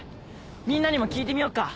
みんなにも聞いてみよっか。